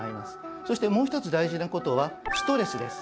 そしてもう一つ大事な事はストレスです。